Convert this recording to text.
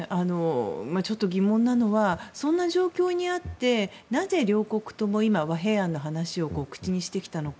ちょっと疑問なのはそういう状況にあってなぜ両国とも和平案の話を口にしてきたのか。